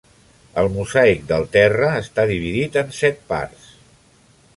El mosaic del terra està dividit en set parts.